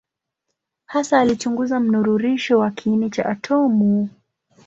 Hasa alichunguza mnururisho wa kiini cha atomu.